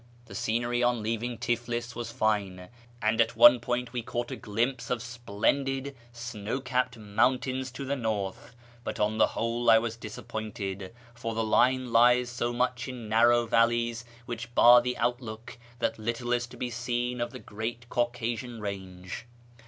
The scenery on leaving Tiflis was fine, and at one point we caught a glimpse of splendid snow capped mountains to the north ; but on the whole I was disappointed, for the line lies so much in narrow valleys which bar the outlook that little is to be seen of the great Caucasian range.